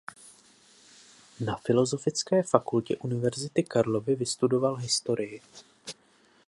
Na Filozofické fakultě Univerzity Karlovy vystudoval historii.